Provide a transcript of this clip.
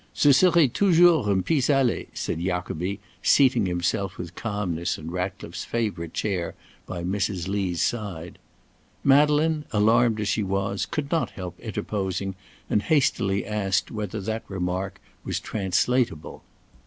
"Ce serait toujours un pis aller," said Jacobi, seating himself with calmness in Ratcliffe's favourite chair by Mrs. Lee's side. Madeleine, alarmed as she was, could not help interposing, and hastily asked whether that remark was translatable.